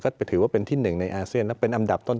ก็ถือว่าเป็นที่หนึ่งในอาเซียนแล้วเป็นอันดับต้น